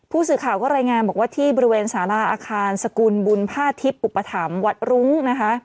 ผู้สื่อข่าวก็รายงานบอกว่าที่บริเวณสาราอาคารสกุลบุญภาทิพย์อุปถัมภ์วัดรุ้งนะคะ